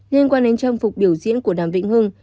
liên quan đến trang phục biểu diễn của đàm vĩnh hưng